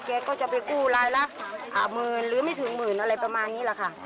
แกก็จะไปกู้รายละหมื่นหรือไม่ถึงหมื่นอะไรประมาณนี้แหละค่ะ